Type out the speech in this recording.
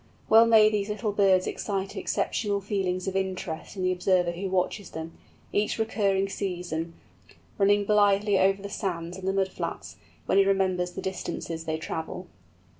Well may these little birds excite exceptional feelings of interest in the observer who watches them, each recurring season, running blithely over the sands and the mud flats, when he remembers the distances they travel.